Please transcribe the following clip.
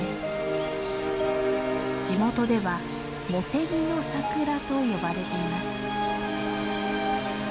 地元では「茂手木のサクラ」と呼ばれています。